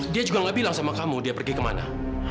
dia juga gak bilang sama kamu dia pergi kemana